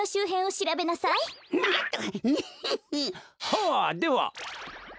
はあでは。